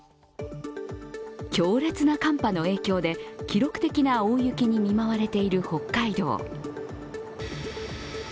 強烈な寒波の影響で記録的な大雪に見舞われている北海道。